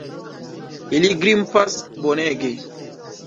Ili grimpas bonege.